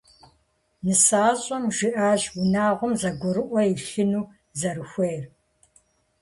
НысащӀэм жиӀащ унагъуэм зэгурыӀуэ илъыну зэрыхуейр.